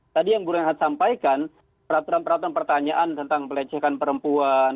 tadi yang guru yang hati sampaikan peraturan peraturan pertanyaan tentang pelecehan perempuan